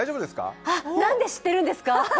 あっ、なんで知ってるんですか？